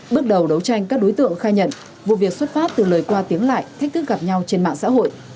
bước đầu đấu tranh các đối tượng khai nhận vụ việc xuất phát từ lời qua tiếng lại thách thức gặp nhau trên mạng xã hội